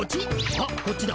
あっこっちだ。